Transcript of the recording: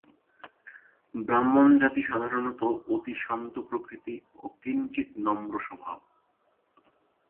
ব্রাহ্মণজাতি সাধারণত অতি শান্তপ্রকৃতি ও কিঞ্চিৎ নম্রস্বভাব।